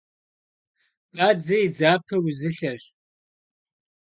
Бадзэ и дзапэ узылъэщ.